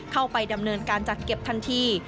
เข้าไปดำเนินการจัดเก็บทันที